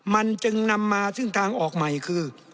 มันจึงนำมาซึ่งทางออกใหม่คือ